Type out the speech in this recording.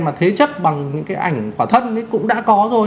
mà thế chất bằng những ảnh quả thân cũng đã có rồi